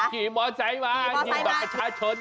กี่บอสไซด์มาแบบประชาชน